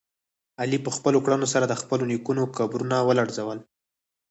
علي په خپلو کړنو سره د خپلو نیکونو قبرونه ولړزول.